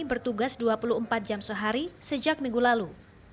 bertugas dua puluh empat jam sehari sejak minggu lalu